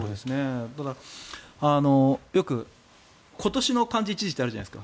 ただ、よく今年の漢字１字ってあるじゃないですか。